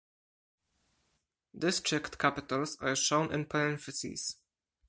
District capitals are shown in parentheses.